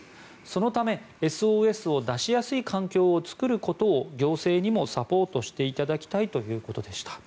そのためＳＯＳを出しやすい環境を作ることを行政にもサポートしていただきたいということでした。